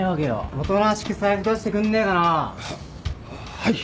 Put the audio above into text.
おとなしく財布出してくんねえかな。ははい。